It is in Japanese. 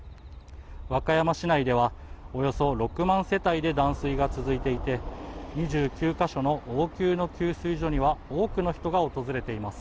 和歌山市内ではおよそ６万世帯で断水が続いていて、２９か所の応急の給水所には、多くの人が訪れています。